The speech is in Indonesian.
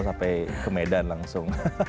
sampai ke medan langsung